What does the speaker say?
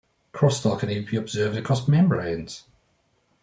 Crosstalk can even be observed across membranes.